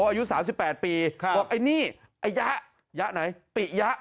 อายุสามสิบแปดปีครับบอกไอ้นี่ไอ้ยะยะไหนปิ๊ยะ